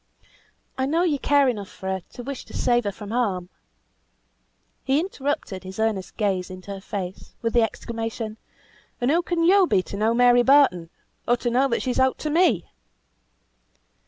"I know you care enough for her to wish to save her from harm." He interrupted his earnest gaze into her face, with the exclamation "And who can yo be to know Mary Barton, or to know that she's ought to me?"